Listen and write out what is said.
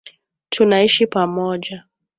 Tunaishi pamoja